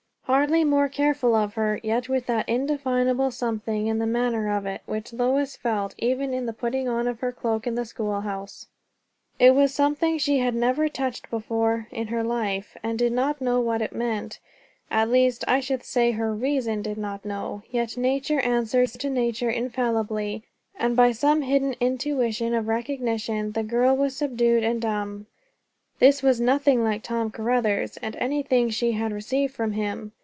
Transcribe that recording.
Hardly more careful of her, yet with that indefinable something in the manner of it, which Lois felt even in the putting on of her cloak in the schoolhouse. It was something she had never touched before in her life, and did not now know what it meant; at least I should say her reason did not know; yet nature answered to nature infallibly, and by some hidden intuition of recognition the girl was subdued and dumb. This was nothing like Tom Caruthers, and anything she had received from him.